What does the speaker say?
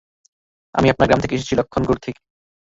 আমি আপনার গ্রাম থেকে এসেছি, লক্ষ্মণগড় থেকে।